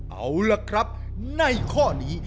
เอาล่ะครับในข้อนี้